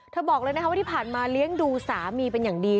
บอกเลยนะคะว่าที่ผ่านมาเลี้ยงดูสามีเป็นอย่างดี